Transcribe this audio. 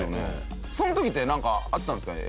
その時ってなんかあったんですかね？